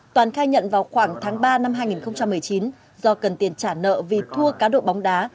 toàn khai nhận vào khoảng tháng ba năm hai nghìn một mươi chín do cần tiền trả nợ vì thua cá độ bóng đá